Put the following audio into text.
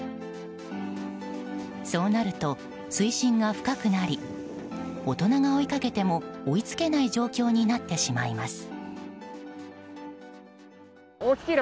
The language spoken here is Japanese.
そうなると水深が深くなり大人が追いかけても追いつけない状況になってしまいます。